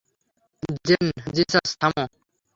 Gen Jesus - থামো।